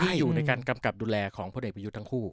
อยู่ในการกำกับดูแลของพลเอกประยุทธ์ทั้งคู่